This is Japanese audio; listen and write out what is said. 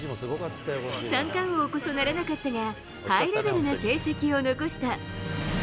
三冠王こそならなかったが、ハイレベルな成績を残した。